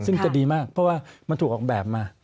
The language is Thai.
ซึ่งจะดีมากเพราะว่ามันถูกออกแบบมา